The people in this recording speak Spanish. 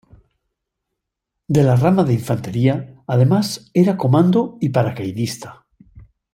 De la Rama de Infantería, además era Comando y Paracaidista.